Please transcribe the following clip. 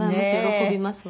喜びます